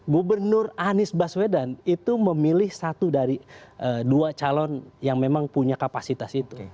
gubernur anies baswedan itu memilih satu dari dua calon yang memang punya kapasitas itu